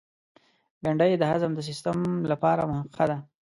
بېنډۍ د هضم سیستم لپاره ښه ده